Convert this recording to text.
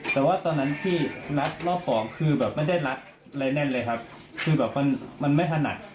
แต่ว่าตอนนั้นพี่นัดรอบสองคือแบบไม่ได้นัดอะไรแน่นเลยครับคือแบบมันไม่ถนัด